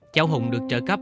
cháu hùng được trợ cấp